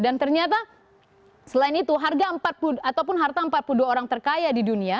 dan ternyata selain itu harga empat puluh ataupun harta empat puluh dua orang terkaya di dunia